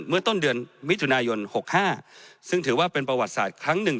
เมื่อต้นเดือนมิถุนายน๖๕ซึ่งถือว่าเป็นประวัติศาสตร์ครั้งหนึ่ง